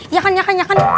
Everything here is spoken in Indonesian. ya kan ya kan ya kan